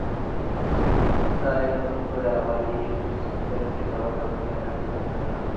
তাই নতুন করে আবার ইভস ব্যান্ডকে সবার সামনে নিয়ে আসার সিদ্ধান্ত নিলাম।